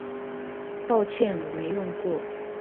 抱歉我沒用過